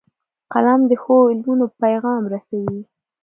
قلم د ښو عملونو پیغام رسوي